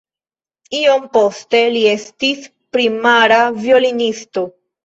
Iom poste li estis primara violonisto.